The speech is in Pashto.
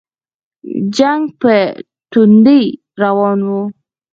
جنګ په توندۍ روان وو.